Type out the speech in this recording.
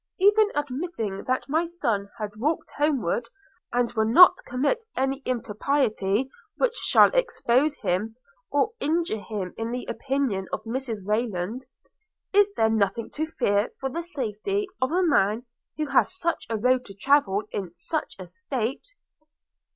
Even admitting that my son had walked homeward, and will not commit any impropriety which shall expose him, or injure him in the opinion of Mrs Rayland, is there nothing to fear for the safety of a man who has such a road to travel, in such a state?'